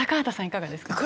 いかがですか？